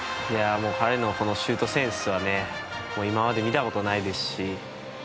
彼のシュートセンスは今まで見たことないですし。